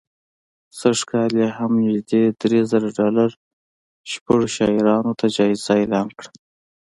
سږ کال یې هم نژدې درې زره ډالره شپږو شاعرانو ته جایزه اعلان کړه